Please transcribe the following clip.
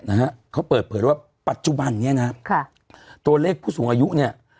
นะฮะเขาเปิดเผยว่าปัจจุบันเนี้ยนะฮะค่ะตัวเลขผู้สูงอายุเนี้ย